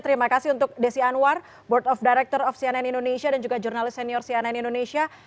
terima kasih untuk desi anwar board of director of cnn indonesia dan juga jurnalis senior cnn indonesia